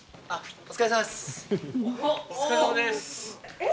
お疲れさまです。